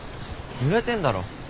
ぬれてんだろ。